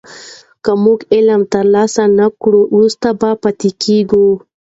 که موږ علم ترلاسه نه کړو وروسته پاتې کېږو.